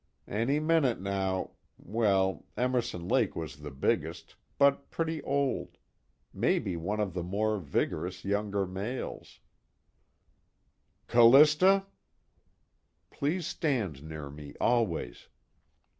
Any minute now well, Emerson Lake was the biggest, but pretty old; maybe one of the more vigorous younger males "Callista " _Please stand near me always!